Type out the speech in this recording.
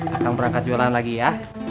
akang perangkat jualan lagi ya